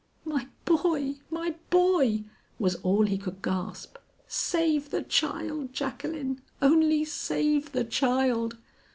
"My boy! my boy," was all he could gasp; "save the child, Jacqueline, only save the child!"